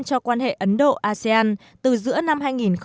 cho quan hệ ấn độ asean từ giữa năm hai nghìn một mươi tám